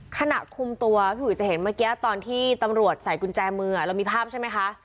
ขณะคุมตัวพี่อุ๋ยจะเห็นเมื่อกี้ตอนที่ตำรวจใส่กุญแจมือเรามีภาพใช่ไหมคะ